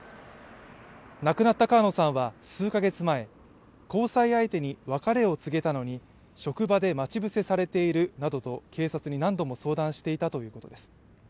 亡くなった川野さんは数か月前交際相手に別れを告げたのに職場で待ち伏せされているなどと警察に何度も相談していたということです。